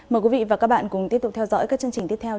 mời quý vị và các bạn cùng tiếp tục theo dõi các chương trình tiếp theo